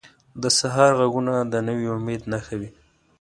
د سهار ږغونه د نوي امید نښه وي.